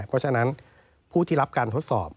เพราะฉะนั้นผู้ที่รับการทดสอบ